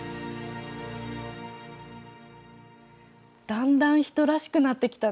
だんだん人らしくなってきたね。